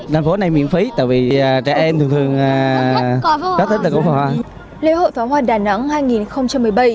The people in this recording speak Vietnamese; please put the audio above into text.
thành phố này miễn phí tại vì trẻ em thường thường rất thích được pháp hoa